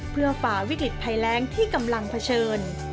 เพื่อฝ่าวิกฤตภัยแรงที่กำลังเผชิญ